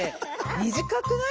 短くない？